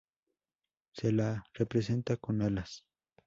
Se la representa con alas.